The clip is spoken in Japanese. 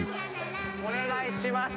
お願いします。